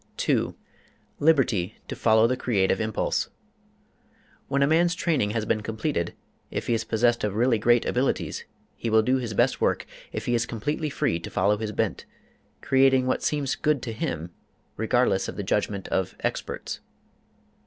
2. Liberty to follow the creative impulse. When a man's training has been completed, if he is possessed of really great abilities, he will do his best work if he is completely free to follow his bent, creating what seems good to him, regardless of the judgment of ``experts.''